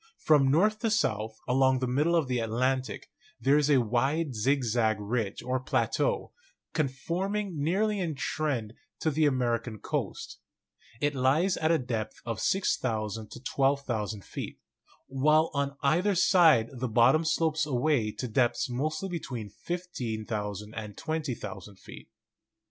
From north to south, along the middle of the Atlantic, there is a wide zigzag ridge or plateau, con forming nearly in trend to the American coast. It lies at a depth of 6,000 to 12,000 feet, while on either side the bottom slopes away to depths mostly between 15,000 and 20,000 feet.